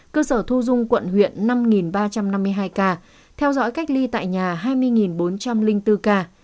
cơ sở thu dung quận huyện năm ba trăm năm mươi hai ca theo dõi cách ly tại nhà hai mươi bốn trăm linh bốn ca